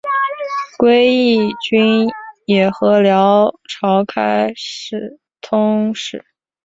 归义军也和辽朝开始通使。